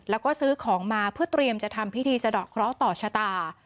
แล้วก็ซื้อของมาเพื่อเตรียมจะทำพิธีสะดอกเคราะห์ต่อชะตา